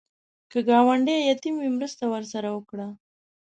که ګاونډی یتیم وي، مرسته ورسره وکړه